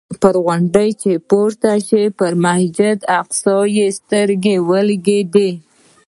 پر غونډۍ چې پورته شو پر مسجد الاقصی یې سترګې ولګېدې.